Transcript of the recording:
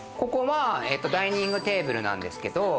ダイニングテーブルなんですけど。